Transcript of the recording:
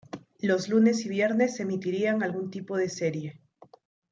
Los lunes y viernes se emitirían algún tipo de serie.